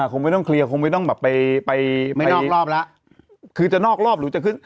คงไม่ต้องเคลียร์คงไม่ต้องแบบไปไปนอกรอบแล้วคือจะนอกรอบหรือจะขึ้น